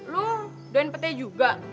lu doain petek juga